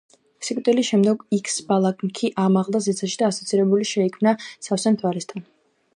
სიკვდილის შემდეგ იქსბალანქი ამაღლდა ზეცაში და ასოცირებული შეიქმნა სავსე მთვარესთან.